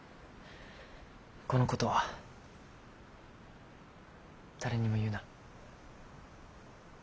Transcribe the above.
このことは誰にも言うな。